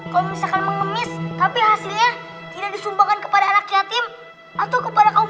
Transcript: kau misalkan mengemis tapi hasilnya tidak disumpahkan kepada anak yatim atau kepada kaum